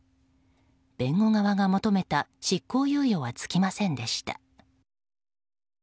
弁護側が求めた執行猶予は付きませんでした。